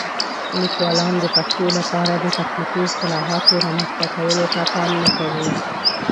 لیکوالان د پښتو لپاره د تخنیکي اصطلاحاتو رامنځته کولو ته پام نه کوي.